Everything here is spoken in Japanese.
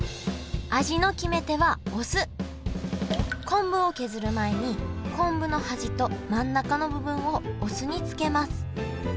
昆布を削る前に昆布の端と真ん中の部分をお酢に漬けます。